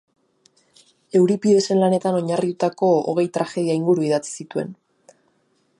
Euripidesen lanetan oinarritutako hogei tragedia inguru idatzi zituen.